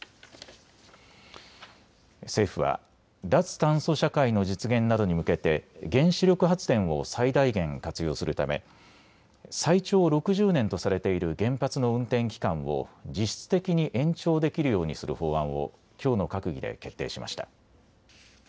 政府は脱炭素社会の実現などに向けて原子力発電を最大限、活用するため最長６０年とされている原発の運転期間を実質的に延長できるようにする法案をきょうの閣議で決定しました。